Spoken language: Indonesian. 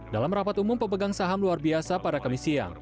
dalam rapat umum pemegang saham luar biasa para komisian